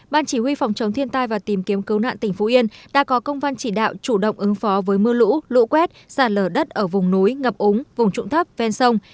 ban chỉ huy phòng chống thiên tai và tìm kiếm cứu nạn tỉnh phú yên đã có công văn chỉ đạo chủ động ứng phó với mưa lũ lũ quét sạt lở đất ở vùng núi ngập ống vùng trụng thấp ven sông